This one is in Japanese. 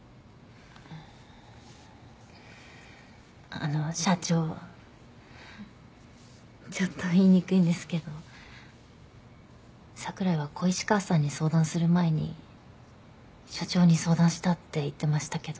あの社長ちょっと言いにくいんですけど櫻井は小石川さんに相談する前に社長に相談したって言ってましたけど。